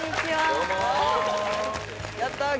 やったー！